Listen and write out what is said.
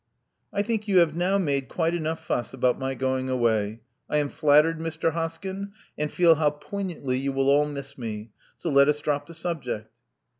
"I think you have now made quite enough fuss about my going away. I am flattered, Mr. Hoskyn, and feel how poignantly you will all miss me. So let us drop the subject."